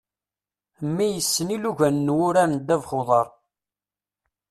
Mmi yessen ilugan n wurar n ddabex n uḍar.